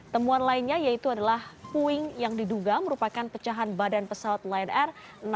temuan lainnya yaitu adalah puing yang diduga merupakan pecahan badan pesawat lion air enam ratus sepuluh